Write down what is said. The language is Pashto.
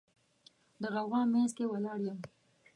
د غوغا منځ کې ولاړ یم